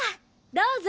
どうぞ。